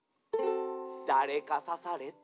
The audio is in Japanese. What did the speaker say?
「だれかさされた」